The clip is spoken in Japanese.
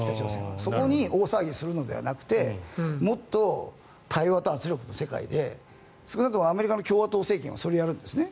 そこに大騒ぎするのではなくてもっと対話と圧力の世界で少なくともアメリカの共和党政権はそれをやるんですね。